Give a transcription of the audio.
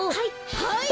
はい。